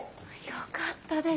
よかったです。